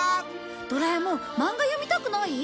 ドラえもんマンガ読みたくない？